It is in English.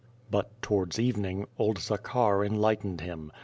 But, towards evening, old Zakhar enlightened him.